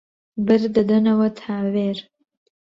بەر دەدەنەوە تاوێر